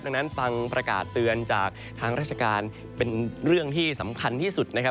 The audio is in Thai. ดังนั้นฟังประกาศเตือนจากทางราชการเป็นเรื่องที่สำคัญที่สุดนะครับ